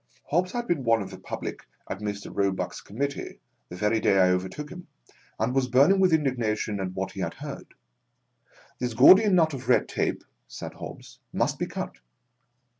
Hobbs had been one of the public at Mr. Roebuck's committee, the very day I overtook him, and was burning with indignation at what he had heard. 4> This Gordian knot of red tape," said Hobbs, "must be cut.